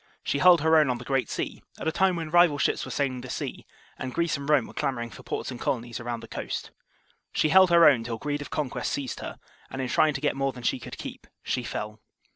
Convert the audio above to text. She held her own on the Great Sea, at a time when rival ships were sailing the sea, and Greece and Rome were clamouring for ports and colonies around the coast. She held her own till greed of conquest seized her, and in trying to get more than she could keep, she fell.